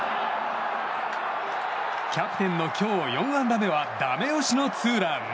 キャプテンの今日４安打目はダメ押しのツーラン。